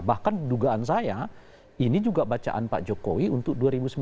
bahkan dugaan saya ini juga bacaan pak jokowi untuk dua ribu sembilan belas